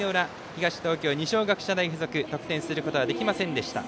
東京、二松学舎大付属得点することはできませんでした。